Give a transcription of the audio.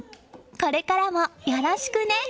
これからもよろしくね！